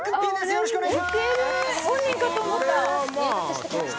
よろしくお願いします